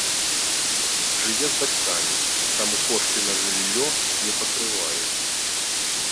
Жыве з бацькамі, таму кошты на жыллё не пакрывае.